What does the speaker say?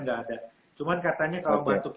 gak ada cuma katanya kalau batuk